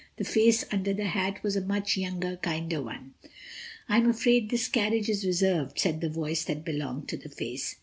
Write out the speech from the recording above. The face under the hat was a much younger, kinder one. "I'm afraid this carriage is reserved," said the voice that belonged to the face.